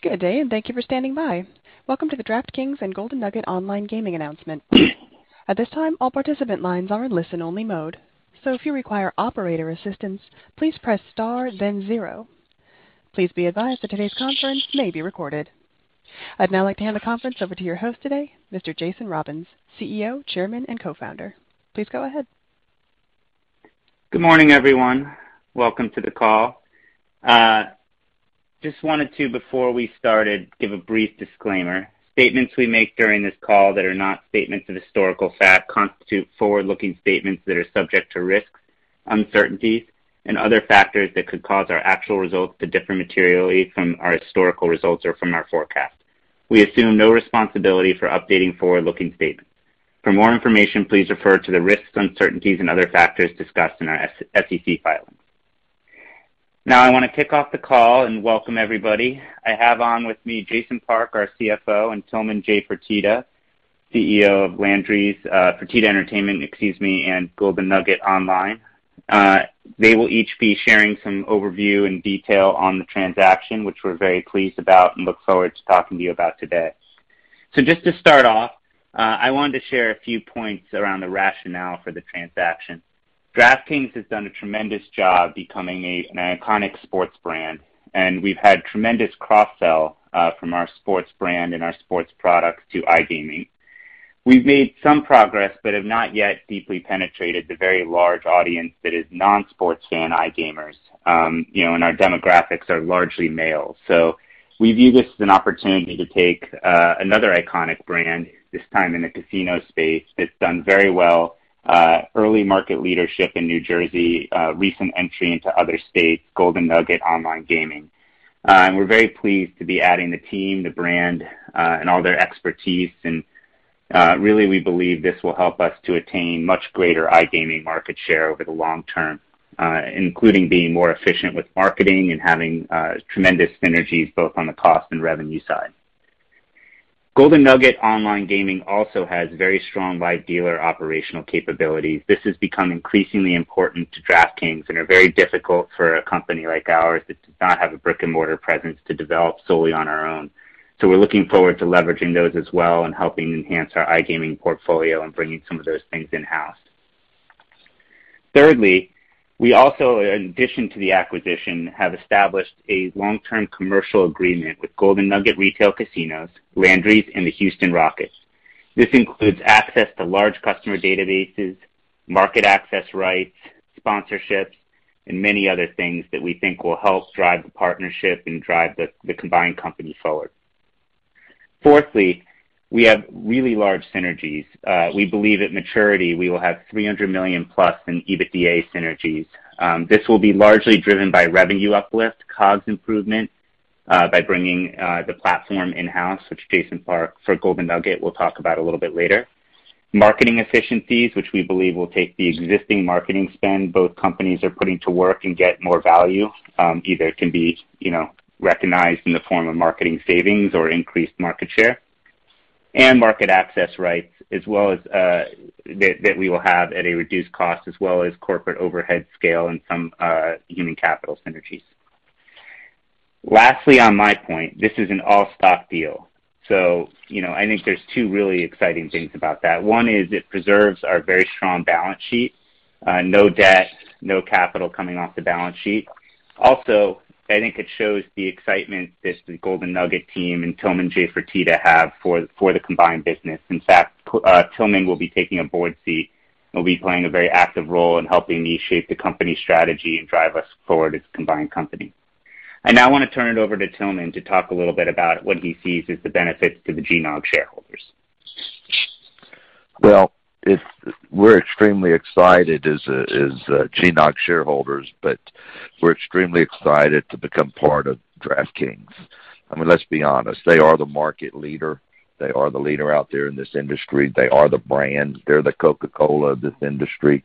Good day and thank you for standing by. Welcome to the DraftKings and Golden Nugget Online Gaming announcement. At this time, all participant lines are in listen-only mode, so if you require operator assistance, please press star zero. Please be advised that today's conference may be recorded. I'd now like to hand the conference over to your host today, Mr. Jason Robins, CEO, Chairman, and Co-Founder. Please go ahead. Good morning, everyone. Welcome to the call. Just wanted to, before we started, give a brief disclaimer. Statements we make during this call that are not statements of historical fact constitute forward-looking statements that are subject to risks, uncertainties, and other factors that could cause our actual results to differ materially from our historical results or from our forecasts. We assume no responsibility for updating forward-looking statements. For more information, please refer to the risks, uncertainties, and other factors discussed in our SEC filings. Now I want to kick off the call and welcome everybody. I have on with me Jason Park, our CFO, and Tilman J. Fertitta, CEO of Fertitta Entertainment and Golden Nugget Online. They will each be sharing some overview and detail on the transaction, which we're very pleased about and look forward to talking to you about today. Just to start off, I wanted to share a few points around the rationale for the transaction. DraftKings has done a tremendous job becoming an iconic sports brand, and we've had tremendous cross-sell from our sports brand and our sports products to iGaming. We've made some progress but have not yet deeply penetrated the very large audience that is non-sports fan iGamers. Our demographics are largely male. We view this as an opportunity to take another iconic brand, this time in the casino space, that's done very well, early market leadership in New Jersey, recent entry into other states, Golden Nugget Online Gaming. We're very pleased to be adding the team, the brand, and all their expertise, and really, we believe this will help us to attain much greater iGaming market share over the long term, including being more efficient with marketing and having tremendous synergies both on the cost and revenue side. Golden Nugget Online Gaming also has very strong live dealer operational capabilities. This has become increasingly important to DraftKings and are very difficult for a company like ours that does not have a brick-and-mortar presence to develop solely on our own. We're looking forward to leveraging those as well and helping enhance our iGaming portfolio and bringing some of those things in-house. Thirdly, we also, in addition to the acquisition, have established a long-term commercial agreement with Golden Nugget retail casinos, Landry's, and the Houston Rockets. This includes access to large customer databases, market access rights, sponsorships, and many other things that we think will help drive the partnership and drive the combined company forward. Fourthly, we have really large synergies. We believe at maturity, we will have $300 million+ in EBITDA synergies. This will be largely driven by revenue uplift, cost improvement by bringing the platform in-house, which Jason Park for Golden Nugget will talk about a little bit later. Marketing efficiencies, which we believe will take the existing marketing spend both companies are putting to work and get more value, either it can be recognized in the form of marketing savings or increased market share. Market access rights that we will have at a reduced cost, as well as corporate overhead scale and some human capital synergies. Lastly, on my point, this is an all-stock deal. I think there's two really exciting things about that. One is it preserves our very strong balance sheet. No debt, no capital coming off the balance sheet. I think it shows the excitement that the Golden Nugget team and Tilman J. Fertitta have for the combined business. Tilman will be taking a board seat and will be playing a very active role in helping me shape the company strategy and drive us forward as a combined company. I now want to turn it over to Tilman to talk a little bit about what he sees as the benefits to the GNOG shareholders. Well, we're extremely excited as GNOG shareholders, but we're extremely excited to become part of DraftKings. I mean, let's be honest, they are the market leader. They are the leader out there in this industry. They are the brand. They're the Coca-Cola of this industry.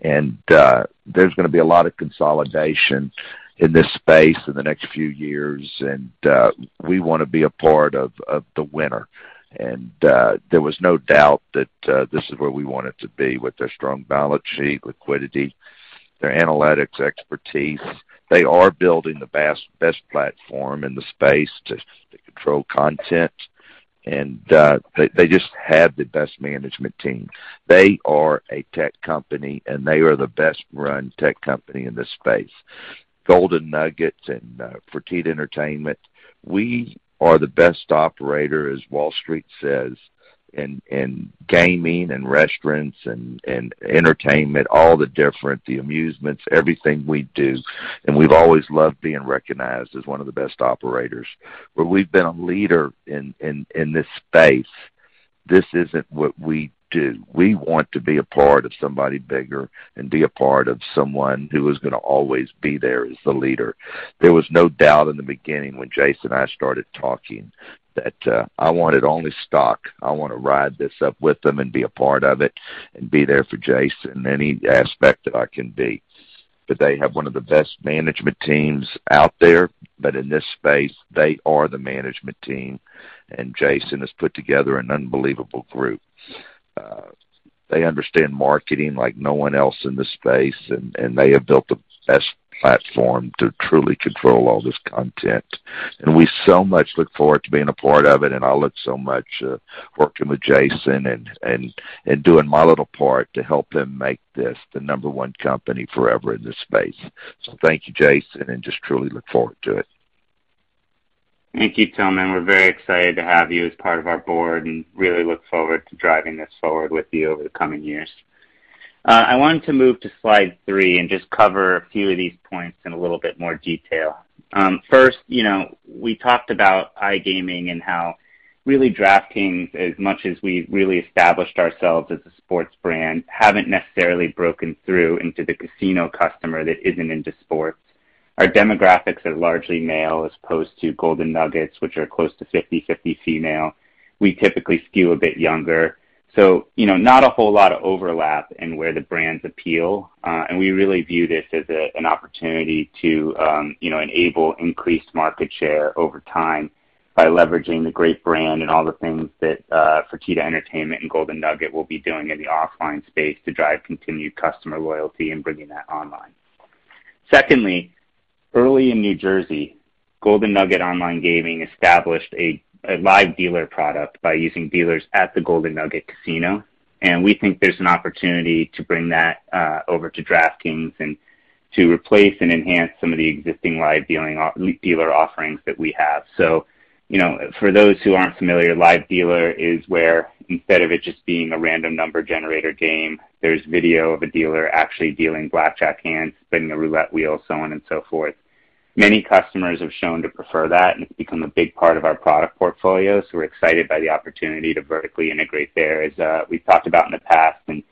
There's going to be a lot of consolidation in this space in the next few years, and we want to be a part of the winner. There was no doubt that this is where we wanted to be with their strong balance sheet, liquidity, their analytics expertise. They are building the best platform in the space to control content, and they just have the best management team. They are a tech company, and they are the best-run tech company in this space. Golden Nugget and Fertitta Entertainment, we are the best operator, as Wall Street says, in gaming and restaurants and entertainment, all the different amusements, everything we do. We've always loved being recognized as one of the best operators. We've been a leader in this space. This isn't what we do. We want to be a part of somebody bigger and be a part of someone who is going to always be there as the leader. There was no doubt in the beginning when Jason and I started talking that I wanted only stock. I want to ride this up with them and be a part of it and be there for Jason in any aspect that I can be. They have one of the best management teams out there, but in this space, they are the management team. Jason has put together an unbelievable group. They understand marketing like no one else in this space. They have built the best platform to truly control all this content. We so much look forward to being a part of it. I'll look so much working with Jason and doing my little part to help them make this the number 1 company forever in this space. Thank you, Jason. Just truly look forward to it. Thank you, Tilman. We're very excited to have you as part of our board. Really look forward to driving this forward with you over the coming years. I wanted to move to slide three and just cover a few of these points in a little bit more detail. First, we talked about iGaming and how really DraftKings, as much as we've really established ourselves as a sports brand, haven't necessarily broken through into the casino customer that isn't into sports. Our demographics are largely male, as opposed to Golden Nugget's, which are close to 50/50 female. We typically skew a bit younger. Not a whole lot of overlap in where the brands appeal. We really view this as an opportunity to enable increased market share over time by leveraging the great brand and all the things that Fertitta Entertainment and Golden Nugget will be doing in the offline space to drive continued customer loyalty and bringing that online. Secondly, early in New Jersey, Golden Nugget Online Gaming established a live dealer product by using dealers at the Golden Nugget Casino. We think there's an opportunity to bring that over to DraftKings and to replace and enhance some of the existing live dealer offerings that we have. For those who aren't familiar, live dealer is where instead of it just being a random number generator game, there's video of a dealer actually dealing blackjack hands, spinning a roulette wheel, so on and so forth. Many customers have shown to prefer that, and it's become a big part of our product portfolio. We're excited by the opportunity to vertically integrate there. As we've talked about in the past, and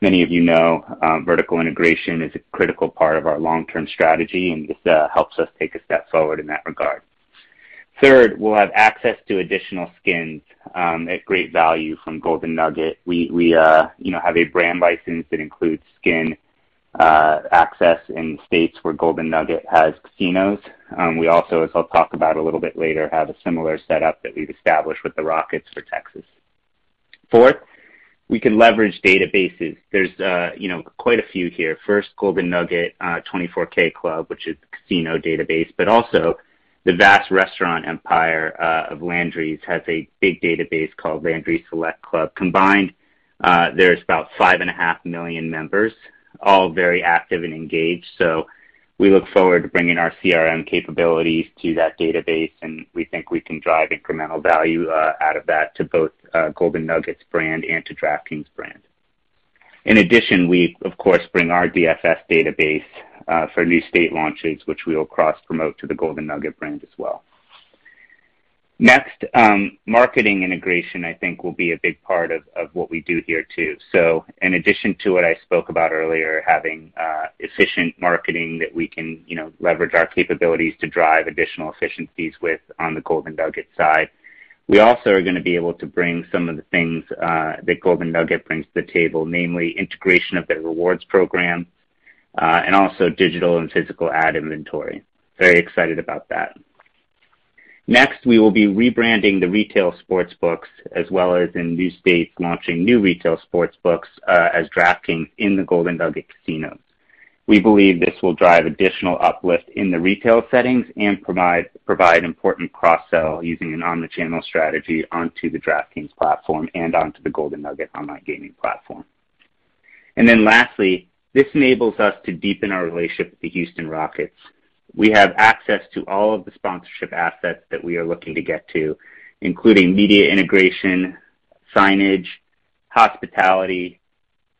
many of you know, vertical integration is a critical part of our long-term strategy, and this helps us take a step forward in that regard. Third, we'll have access to additional skins at great value from Golden Nugget. We have a brand license that includes skin access in states where Golden Nugget has casinos. We also, as I'll talk about a little bit later, have a similar setup that we've established with the Rockets for Texas. Fourth, we can leverage databases. There's quite a few here. First, Golden Nugget 24K Select Club, which is a casino database, but also the vast restaurant empire of Landry's has a big database called Landry's Select Club. Combined, there's about 5.5 million members, all very active and engaged. We look forward to bringing our CRM capabilities to that database, and we think we can drive incremental value out of that to both Golden Nugget's brand and to DraftKings' brand. In addition, we of course bring our DFS database for new state launches, which we will cross-promote to the Golden Nugget brand as well. Next, marketing integration, I think, will be a big part of what we do here, too. In addition to what I spoke about earlier, having efficient marketing that we can leverage our capabilities to drive additional efficiencies with on the Golden Nugget side, we also are going to be able to bring some of the things that Golden Nugget brings to the table, namely integration of their rewards program, and also digital and physical ad inventory. Very excited about that. We will be rebranding the retail sportsbooks as well as in new states launching new retail sportsbooks as DraftKings in the Golden Nugget casinos. We believe this will drive additional uplift in the retail settings and provide important cross-sell using an omni-channel strategy onto the DraftKings platform and onto the Golden Nugget Online Gaming platform. Lastly, this enables us to deepen our relationship with the Houston Rockets. We have access to all of the sponsorship assets that we are looking to get to, including media integration, signage, hospitality,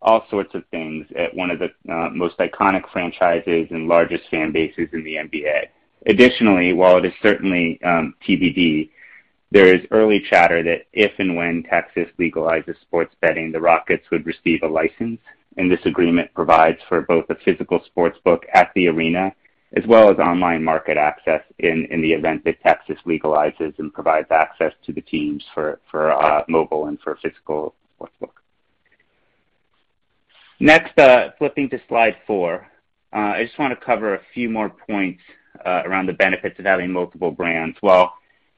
all sorts of things at one of the most iconic franchises and largest fan bases in the NBA. Additionally, while it is certainly TBD, there is early chatter that if and when Texas legalizes sports betting, the Rockets would receive a license, and this agreement provides for both a physical sportsbook at the arena as well as online market access in the event that Texas legalizes and provides access to the teams for mobile and for physical sportsbook. Flipping to slide 4. I just want to cover a few more points around the benefits of having multiple brands.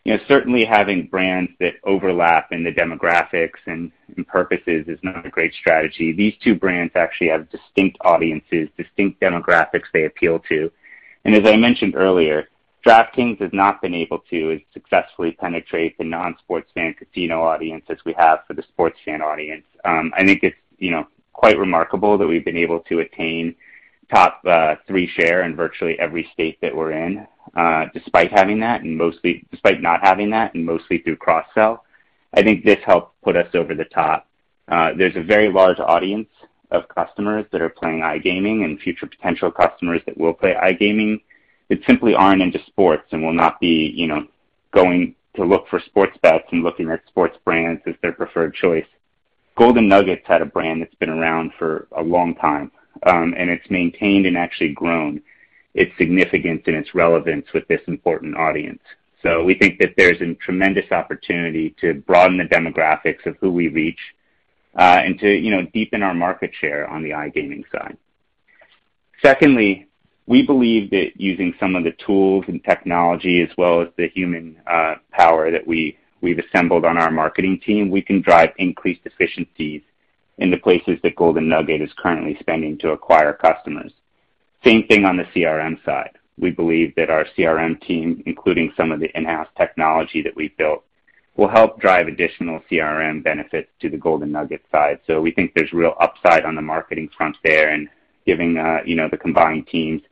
While certainly having brands that overlap in the demographics and purposes is not a great strategy, these two brands actually have distinct audiences, distinct demographics they appeal to. As I mentioned earlier, DraftKings has not been able to successfully penetrate the non-sports fan casino audience as we have for the sports fan audience. I think it's quite remarkable that we've been able to attain top three share in virtually every state that we're in despite not having that, and mostly through cross-sell. I think this helped put us over the top. There's a very large audience of customers that are playing iGaming and future potential customers that will play iGaming that simply aren't into sports and will not be going to look for sports bets and looking at sports brands as their preferred choice. Golden Nugget's had a brand that's been around for a long time, and it's maintained and actually grown its significance and its relevance with this important audience. We think that there's a tremendous opportunity to broaden the demographics of who we reach and to deepen our market share on the iGaming side. Secondly, we believe that using some of the tools and technology as well as the human power that we've assembled on our marketing team, we can drive increased efficiencies in the places that Golden Nugget is currently spending to acquire customers. Same thing on the CRM side. We believe that our CRM team, including some of the in-house technology that we've built, will help drive additional CRM benefits to the Golden Nugget side. We think there's real upside on the marketing front there and giving the combined teams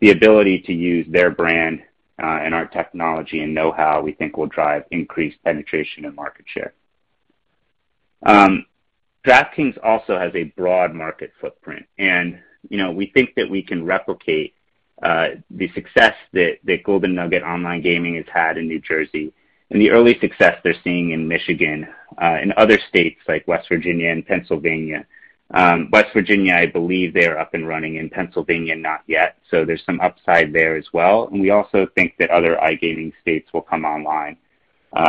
the ability to use their brand and our technology and know-how, we think will drive increased penetration and market share. DraftKings also has a broad market footprint. We think that we can replicate the success that Golden Nugget Online Gaming has had in New Jersey and the early success they're seeing in Michigan, other states like West Virginia and Pennsylvania. West Virginia, I believe they're up and running. Pennsylvania not yet. There's some upside there as well. We also think that other iGaming states will come online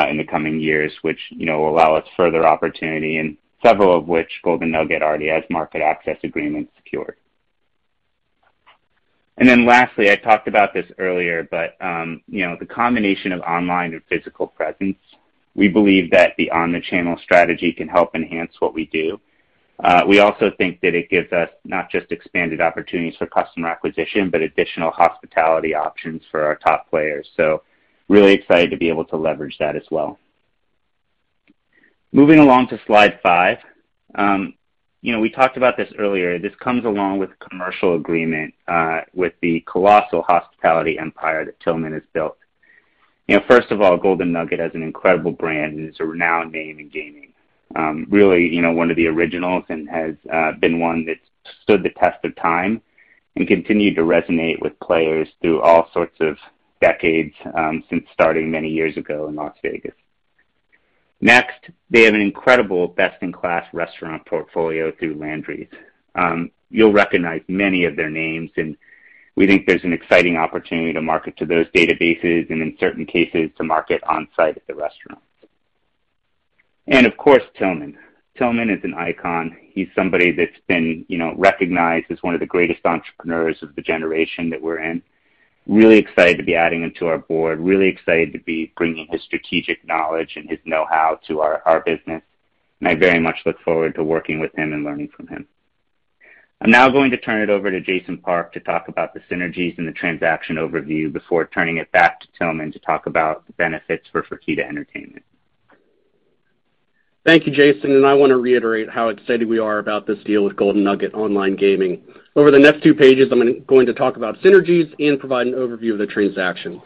in the coming years, which will allow us further opportunity, several of which Golden Nugget already has market access agreements secured. Lastly, I talked about this earlier, the combination of online and physical presence, we believe that the omni-channel strategy can help enhance what we do. We also think that it gives us not just expanded opportunities for customer acquisition, but additional hospitality options for our top players. Really excited to be able to leverage that as well. Moving along to slide 5. We talked about this earlier. This comes along with commercial agreement with the colossal hospitality empire that Tilman has built. First of all, Golden Nugget has an incredible brand and is a renowned name in gaming. Really one of the originals and has been one that stood the test of time and continued to resonate with players through all sorts of decades since starting many years ago in Las Vegas. Next, they have an incredible best-in-class restaurant portfolio through Landry's. You'll recognize many of their names, and we think there's an exciting opportunity to market to those databases and in certain cases, to market on-site at the restaurants. Of course, Tilman. Tilman is an icon. He's somebody that's been recognized as one of the greatest entrepreneurs of the generation that we're in. Really excited to be adding him to our board. Really excited to be bringing his strategic knowledge and his know-how to our business, and I very much look forward to working with him and learning from him. I'm now going to turn it over to Jason Park to talk about the synergies and the transaction overview before turning it back to Tilman to talk about the benefits for Fertitta Entertainment. Thank you, Jason, and I want to reiterate how excited we are about this deal with Golden Nugget Online Gaming. Over the next two pages, I'm going to talk about synergies and provide an overview of the transaction.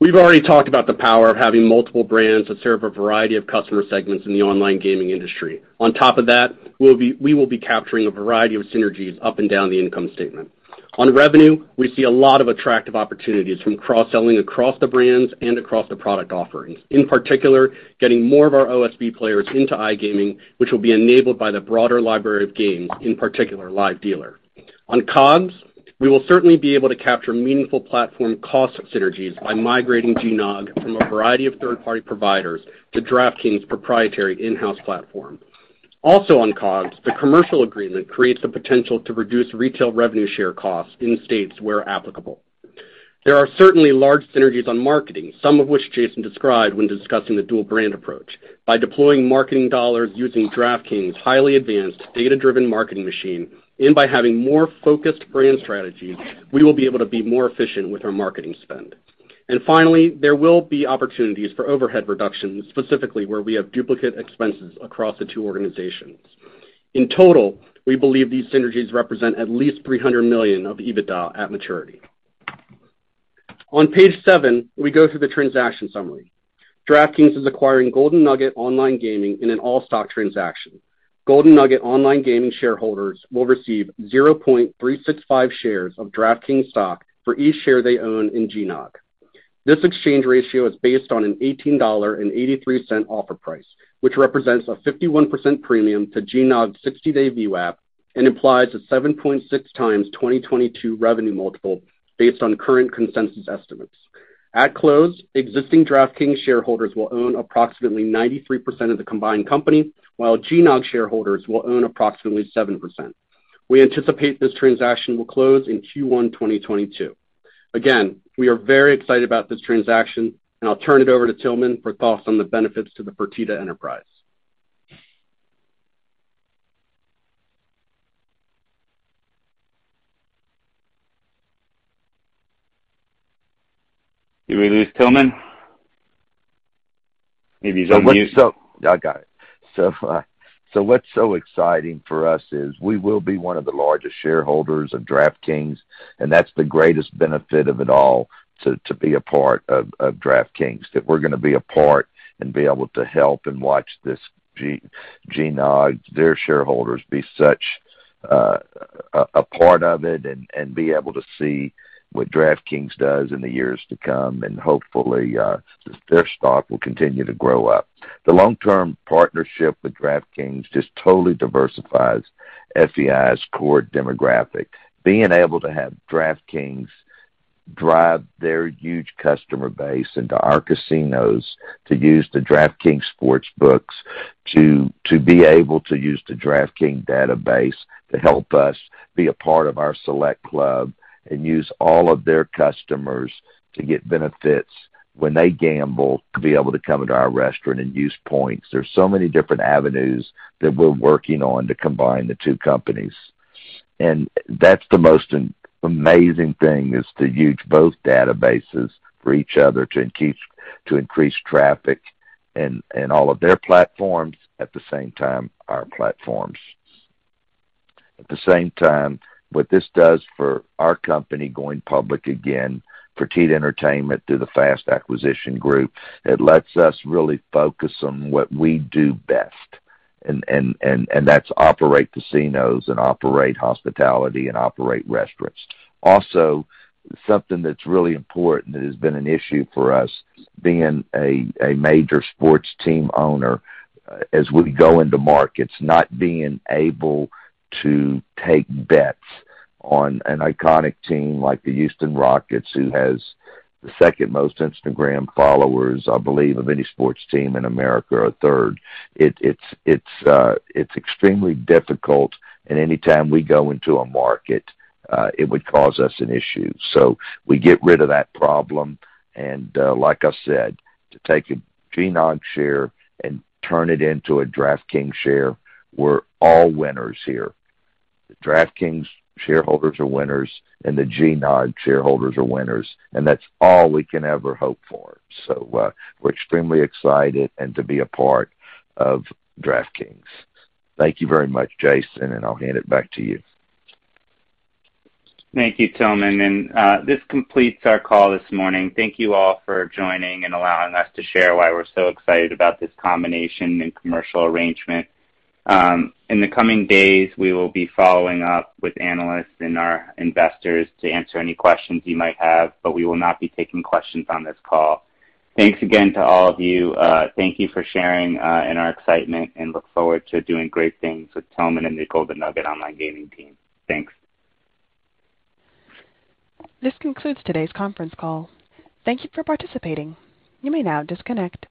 We've already talked about the power of having multiple brands that serve a variety of customer segments in the online gaming industry. On top of that, we will be capturing a variety of synergies up and down the income statement. On revenue, we see a lot of attractive opportunities from cross-selling across the brands and across the product offerings. In particular, getting more of our OSB players into iGaming, which will be enabled by the broader library of games, in particular, live dealer. On COGS, we will certainly be able to capture meaningful platform cost synergies by migrating GNOG from a variety of third-party providers to DraftKings' proprietary in-house platform. Also on COGS, the commercial agreement creates the potential to reduce retail revenue share costs in states where applicable. There are certainly large synergies on marketing, some of which Jason described when discussing the dual brand approach. By deploying marketing dollars using DraftKings' highly advanced data-driven marketing machine, and by having more focused brand strategies, we will be able to be more efficient with our marketing spend. Finally, there will be opportunities for overhead reductions, specifically where we have duplicate expenses across the two organizations. In total, we believe these synergies represent at least $300 million of EBITDA at maturity. On page 7, we go through the transaction summary. DraftKings is acquiring Golden Nugget Online Gaming in an all-stock transaction. Golden Nugget Online Gaming shareholders will receive 0.365 shares of DraftKings stock for each share they own in GNOG. This exchange ratio is based on an $18.83 offer price, which represents a 51% premium to GNOG's 60-day VWAP and implies a 7.6x 2022 revenue multiple based on current consensus estimates. At close, existing DraftKings shareholders will own approximately 93% of the combined company, while GNOG shareholders will own approximately 7%. We anticipate this transaction will close in Q1 2022. We are very excited about this transaction, and I'll turn it over to Tilman for thoughts on the benefits to the Fertitta enterprise. Did we lose Tilman? Maybe he's on mute. I got it. What's so exciting for us is we will be one of the largest shareholders of DraftKings, and that's the greatest benefit of it all, to be a part of DraftKings. That we're going to be a part and be able to help and watch this GNOG, their shareholders, be such a part of it and be able to see what DraftKings does in the years to come and hopefully, their stock will continue to grow up. The long-term partnership with DraftKings just totally diversifies FEI's core demographic. Being able to have DraftKings drive their huge customer base into our casinos to use the DraftKings sportsbooks, to be able to use the DraftKings database to help us be a part of our Select Club and use all of their customers to get benefits when they gamble, to be able to come into our restaurant and use points. There's so many different avenues that we're working on to combine the two companies. That's the most amazing thing, is to use both databases for each other to increase traffic in all of their platforms, at the same time, our platforms. At the same time, what this does for our company going public again, for Fertitta Entertainment through the FAST Acquisition Corp., it lets us really focus on what we do best. That's operate casinos and operate hospitality and operate restaurants. Also, something that's really important that has been an issue for us, being a major sports team owner, as we go into markets, not being able to take bets on an iconic team like the Houston Rockets, who has the second most Instagram followers, I believe, of any sports team in America, or third. It's extremely difficult, and any time we go into a market, it would cause us an issue. We get rid of that problem, and like I said, to take a GNOG share and turn it into a DraftKings share, we're all winners here. The DraftKings shareholders are winners, and the GNOG shareholders are winners, and that's all we can ever hope for. We're extremely excited and to be a part of DraftKings. Thank you very much, Jason, and I'll hand it back to you. Thank you, Tilman. This completes our call this morning. Thank you all for joining and allowing us to share why we're so excited about this combination and commercial arrangement. In the coming days, we will be following up with analysts and our investors to answer any questions you might have, but we will not be taking questions on this call. Thanks again to all of you. Thank you for sharing in our excitement, and look forward to doing great things with Tilman and the Golden Nugget Online Gaming team. Thanks. This concludes today's conference call. Thank you for participating. You may now disconnect.